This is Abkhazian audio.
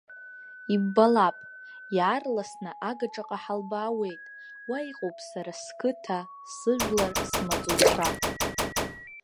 Иббалап, иаарласны агаҿаҟа ҳалбаауеит, уа иҟоуп сара сқыҭа, сыжәлар, смаҵуцәа.